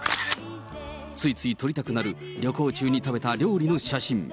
ついつい撮りたくなる旅行中に食べた料理の写真。